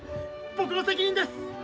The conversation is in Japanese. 僕の責任です！